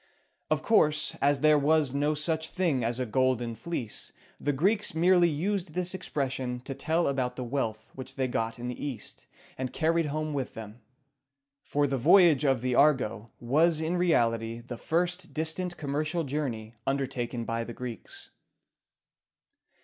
Of course, as there was no such thing as a Golden Fleece, the Greeks merely used this expression to tell about the wealth which they got in the East, and carried home with them; for the voyage of the "Argo" was in reality the first distant commercial journey undertaken by the Greeks.